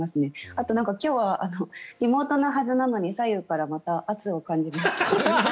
あと今日はリモートのはずなのに左右から圧を感じました。